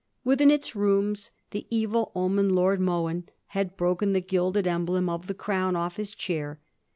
Within its rooms the evil omened Lord Mohun had broken the gilded emblem of the crown off his chair.